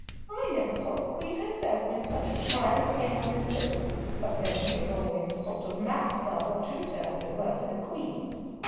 I never saw the Queen herself win such a smile as came on his lips, but then he is always a sort of master, or tutor, as it were, to the Queen.